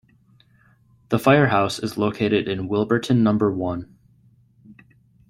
The firehouse is located in Wilburton Number One.